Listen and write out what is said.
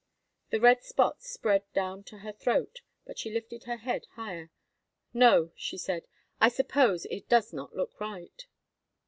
The red spots spread down to her throat, but she lifted her head higher. "No," she said, "I suppose it does not look right."